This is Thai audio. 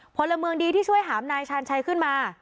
พลเมืองดีที่ช่วยหามนายชาญชัยขึ้นมา